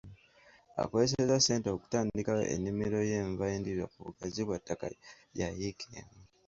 Akozesezza ssente okutandikawo ennimiro y'enva endiirwa ku bugazi bw'ettaka lya yiika emu.